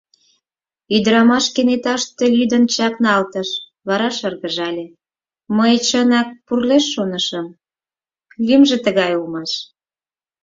Ӱдрамаш кенеташте лӱдын чакналтыш, вара шыргыжале: «Мый, чынак, пурлеш шонышым, лӱмжӧ тыгай улмаш».